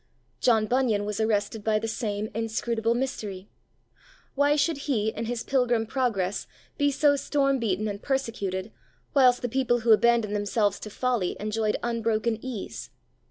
John Bunyan was arrested by the same inscrutable mystery. Why should he, in his pilgrim progress, be so storm beaten and persecuted, whilst the people who abandoned themselves to folly enjoyed unbroken ease?